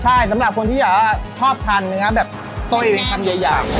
ใช่สำหรับคนที่ชอบทานเนื้อแบบตการใต้อย่าง